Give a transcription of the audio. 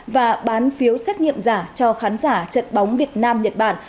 và bán phiếu xét nghiệm giả cho khán giả trận bóng việt nam nhật bản